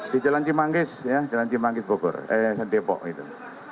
di jalan cimanggis ya jalan cimanggis bogor yayasan depok gitu